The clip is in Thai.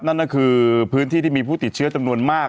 นั่นก็คือพื้นที่ที่มีผู้ติดเชื้อจำนวนมาก